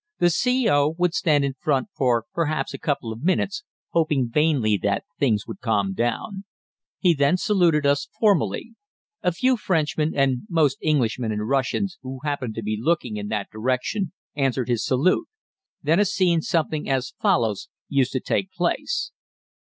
The C.O. would stand in front for perhaps a couple of minutes, hoping vainly that things would calm down. He then saluted us formally. A few Frenchmen, and most Englishmen and Russians, who happened to be looking in that direction answered his salute. Then a scene something as follows used to take place.